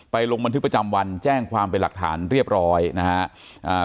ลงบันทึกประจำวันแจ้งความเป็นหลักฐานเรียบร้อยนะฮะ